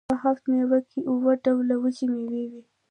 په هفت میوه کې اووه ډوله وچې میوې وي.